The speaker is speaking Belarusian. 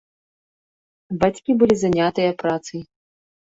Бацькі былі занятыя працай.